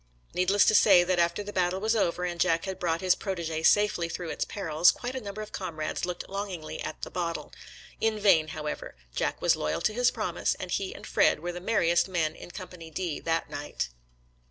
Needless to say that after the battle was over and Jack had brought his prot6g6 safely through its perils, quite a number of comrades looked longingly at the bottle. In vain, however; Jack was loyal to his promise, and he and Fred were the merriest men in Company D that night.